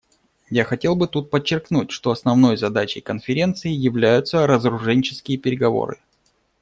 Я хотел бы тут подчеркнуть, что основной задачей Конференции являются разоруженческие переговоры.